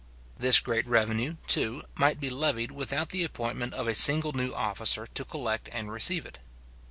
This great revenue, too, might be levied without the appointment of a single new officer to collect and receive it.